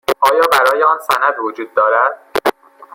آیا برای آن سند وجود دارد؟